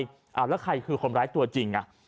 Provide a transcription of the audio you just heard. แล้วใครคือคนร้ายตัวจริง